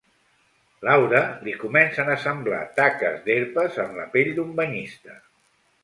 Laura li comencen a semblar taques d'herpes en la pell d'un banyista.